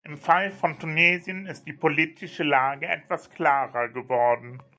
Im Fall von Tunesien ist die politische Lage etwas klarer geworden.